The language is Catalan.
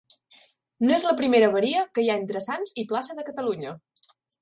No és la primera avaria que hi ha entre Sants i plaça de Catalunya